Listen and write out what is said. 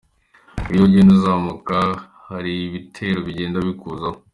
Iyo ugenda uzamuka hari ibitero bigenda bikuzaho”.